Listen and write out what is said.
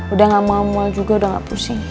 udah gak mual juga udah gak pusing